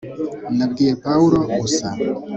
nabwiye pawulo gusa